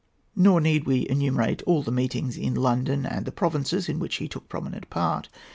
Nor need we enumerate all the meetings, in London and the provinces, in which he took prominent part.